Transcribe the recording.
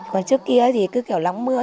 còn trước kia thì cứ kiểu lắng mưa